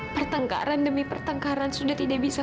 pertengkaran demi pertengkaran sudah tidak bisa